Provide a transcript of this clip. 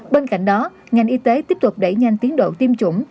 bên cạnh đó ngành y tế tiếp tục đẩy nhanh tiến độ tiêm chủng